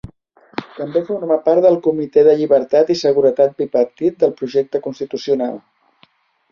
També forma part del Comitè de Llibertat i Seguretat bipartit del Projecte Constitucional.